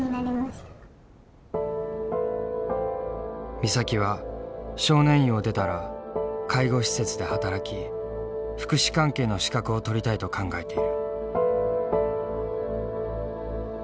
美咲は少年院を出たら介護施設で働き福祉関係の資格を取りたいと考えている。